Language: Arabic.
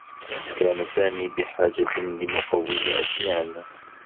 كان سامي بحاجة لمقوّم أسنان.